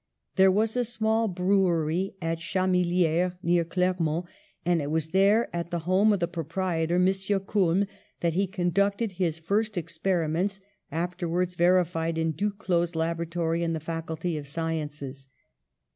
There was a small brewery at Chamelieres, near Cler mont, and it was there, at the home of the pro prietor, M. Kulm, that he conducted his first experiments, afterwards verified in Duclaux's laboratory, in the Faculty of Sciences.